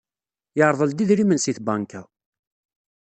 Yerḍel-d idrimen seg tbanka.